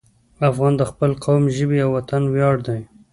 افغان د خپل قوم، ژبې او وطن ویاړ دی.